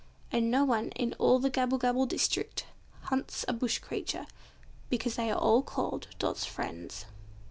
And no one in all the Gabblebabble district hurts a bush creature, because they are all called "Dot's friends."